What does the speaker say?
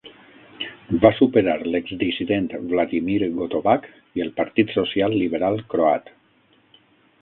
Va superar l'exdissident Vladimir Gotovac i el Partit Social Liberal Croat.